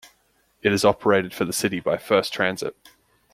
It is operated for the city by First Transit.